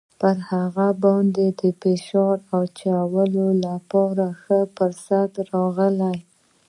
پر هغه باندې د فشار اچولو لپاره ښه فرصت راغلی.